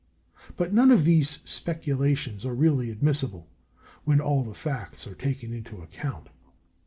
But none of these speculations are really admissible, when all the facts are taken into account.